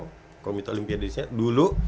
di komite olimpia di indonesia dulu